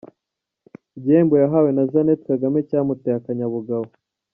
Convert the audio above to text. Igihembo yahawe na Jeannette Kagame cyamuteye akanyabugabo.